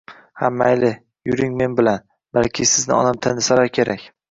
Ha mayli, yuring men bilan, balki sizni onam tanisalar kerak